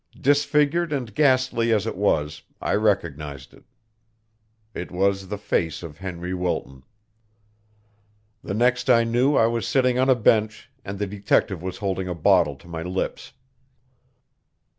Disfigured and ghastly as it was, I recognized it. It was the face of Henry Wilton. The next I knew I was sitting on a bench, and the detective was holding a bottle to my lips.